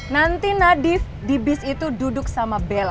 nanti nadif di bis itu duduk sama bella